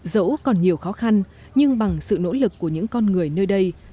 dẫu còn nhiều khó khăn nhưng bằng sự nỗ lực của những con người nơi đây